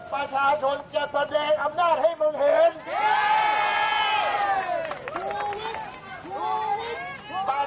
วันนี้ประชาชนจะแสดงอำนาจให้มันเห็น